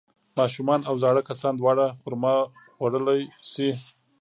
ماشومان او زاړه کسان دواړه خرما خوړلی شي.